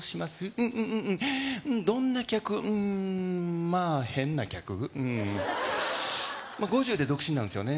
うんうんどんな客うーんまあ変な客５０で独身なんですよね